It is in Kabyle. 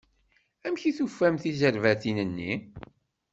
Amek tufam tizerbatin-nni?